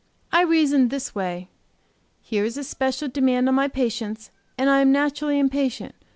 I reasoned this way: 'Here is a special demand on my patience, and I am naturally impatient.